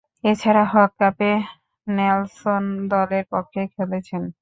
এছাড়াও, হক কাপে নেলসন দলের পক্ষে খেলেছেন।